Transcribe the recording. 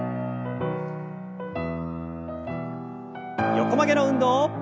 横曲げの運動。